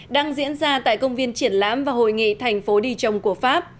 đang diễn ra tại công viên triển lãm và hội nghị thành phố đi chồng của pháp